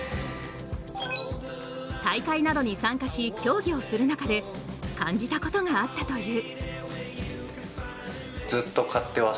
大会などに参加し、競技をする中で感じたことがあったという。